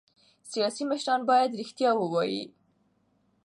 سیاسي مشران باید رښتیا ووايي